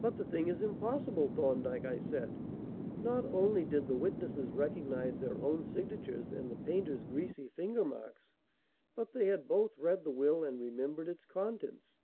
"But the thing is impossible, Thorndyke," I said. "Not only did the witnesses recognize their own signatures and the painter's greasy finger marks, but they had both read the will and remembered its contents."